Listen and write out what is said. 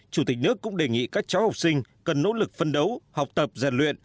chủ tịch nước cũng đề nghị các cháu học sinh cần nỗ lực phân đấu học tập giàn luyện